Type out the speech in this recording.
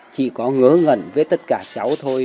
chỉ có ngỡ ngẩn với tất cả cháu thôi